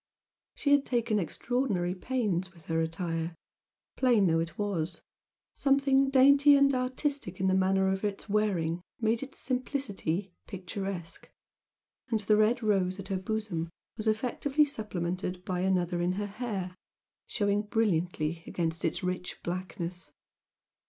She had taken extraordinary pains with her attire, plain though it was something dainty and artistic in the manner of its wearing made its simplicity picturesque, and the red rose at her bosom was effectively supplemented by another in her hair, showing brilliantly against its rich blackness.